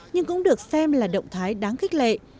nhưng cũng được xem là động thái đáng khích lệ